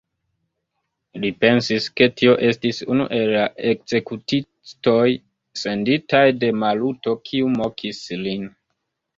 Li pensis, ke tio estis unu el ekzekutistoj, senditaj de Maluto, kiu mokis lin.